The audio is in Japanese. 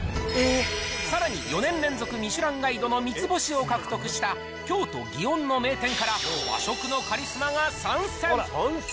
さらに、４年連続ミシュランガイドの３つ星を獲得した、京都・祇園の名店から和食のカリスマが参戦。